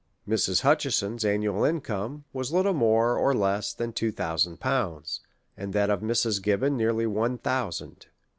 Mrs. Hutcheson's annual income was little more or less than two thousand pounds, and that of Mrs. Gibbon nearly one thousand.